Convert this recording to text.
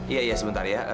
iya iya sebentar ya